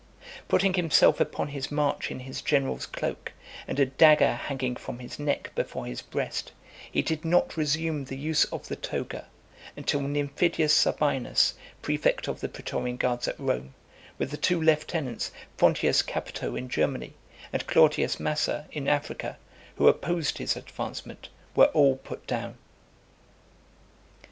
Putting himself upon his march in his general's cloak, and a dagger hanging from his neck before his breast, he did not resume the use of the toga, until Nymphidius Sabinus, prefect of the pretorian guards at Rome, with the two lieutenants, Fonteius Capito in Germany, and Claudius Macer in Africa, who opposed his advancement, were all put down.